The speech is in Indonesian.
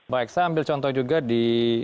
baik saya ambil contoh juga di